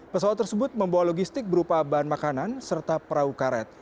pesawat tersebut membawa logistik berupa bahan makanan serta perahu karet